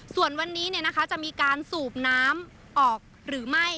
ส่วนวันนี้จะมีการสูบน้ำออกหรือไม่